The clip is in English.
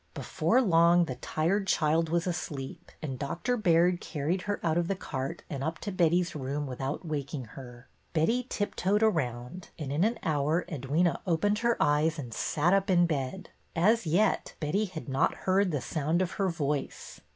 Before long the tired child was asleep, and Dr. Baird carried her out of the cart and up to Betty's room without waking her. Betty tiptoed around, and in an hour Edwyna opened her eyes and sat up in bed. As yet, Betty had not heard the sound of her voice.